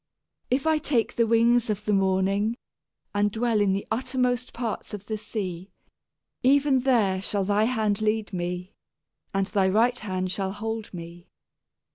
If I take the wings of the morning, and dwell in the uttermost parts of the sea; Even there shall thy hand lead me, and thy right hand shall hold me.